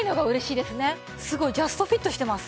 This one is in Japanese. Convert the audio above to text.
すごいジャストフィットしてます。